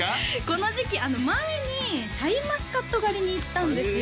この時期前にシャインマスカット狩りに行ったんですよ